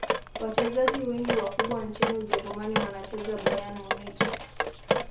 wachezaji wengi wakubwa nchini ujerumani wanacheza bayern munich